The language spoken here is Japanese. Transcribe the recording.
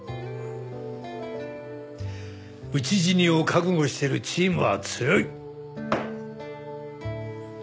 討ち死にを覚悟しているチームは強い。